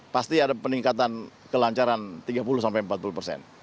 pasti ada peningkatan kelancaran tiga puluh sampai empat puluh persen